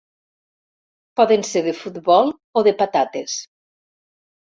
Poden ser de futbol o de patates.